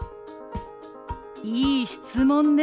いい質問ね。